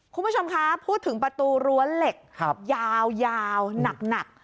คุณผู้ชมครับพูดถึงประตูรั้วเหล็กครับยาวยาวหนักหนัก